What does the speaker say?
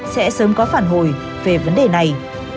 sẽ sớm có phản hồi về vấn đề này